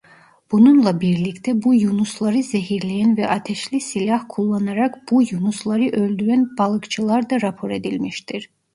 Bununla birlikte bu yunusları zehirleyen ve ateşli silah kullanarak bu yunusları öldüren balıkçılar da rapor edilmiştir.